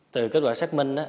từ kết quả xác minh